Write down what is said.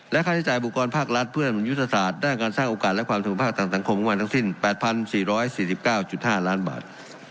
และค่าใช้จ่ายบุคกรภักดิ์รัฐเพื่อนอยุธศาสตร์ได้การสร้างโอกาสและความสมุทรภาคต่างของประมาณทั้งสิ้น๘๔๔๙๕ล้านบาท